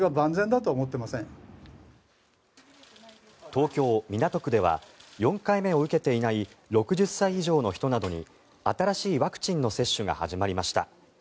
東京・港区では４回目を受けていない６０歳以上の人などに新しいワクチンの接種が始まりました。